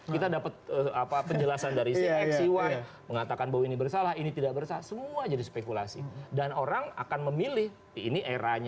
kita dapat penjelasan dari cfcy mengatakan bahwa ini bersalah ini tidak bersalah semua jadi spekulasi dan orang akan memilih ini eranya